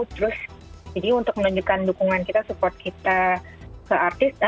terus jadi untuk menunjukkan dukungan kita support kita ke artis